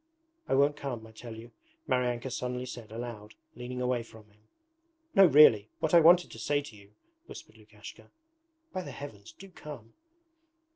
'I won't come, I tell you,' Maryanka suddenly said aloud, leaning away from him. 'No really ... what I wanted to say to you, ...' whispered Lukashka. 'By the Heavens! Do come!'